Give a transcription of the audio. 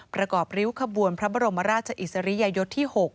ประกอบริ้วขบวนพระบรมราชอิสริยยศที่๖